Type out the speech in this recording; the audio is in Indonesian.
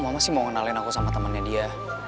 mama sih mau ngenalin aku sama temennya dia